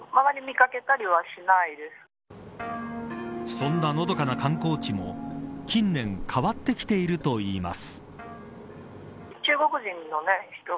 そんなのどかな観光地も近年変わってきているといいます。